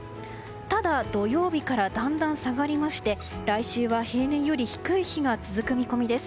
ただ、土曜日からだんだん下がりまして来週は平年より低い日が続く見込みです。